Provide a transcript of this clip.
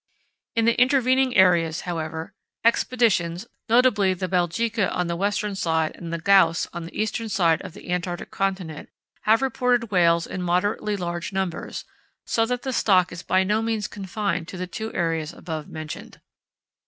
In the intervening areas, however, Expeditions, notably the Belgica on the western side and the Gauss on the eastern side of the Antarctic continent, have reported whales in moderately large numbers, so that the stock is by no means confined to the two areas above mentioned.